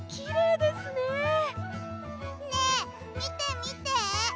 ねえみてみて。